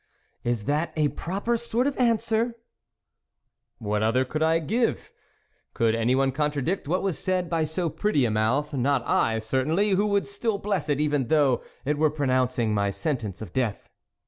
" Is that a proper sort of answer ?"" What other could I give ? could any one contradict what was said by so pretty a mouth ? not I certainly, who would still bless it, even though it were pronouncing my sentence of death."